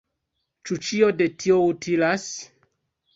Ĉu ĉio de tio utilas?